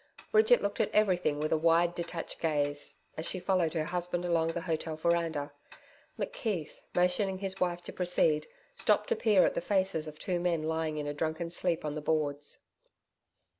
Bridget looked at everything with a wide detached gaze, as she followed her husband along the hotel veranda. McKeith, motioning to his wife to proceed, stopped to peer at the faces of two men lying in a drunken sleep on the boards.